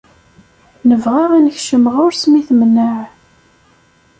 Nebɣa ad nekcem ɣur-s mi temneɛ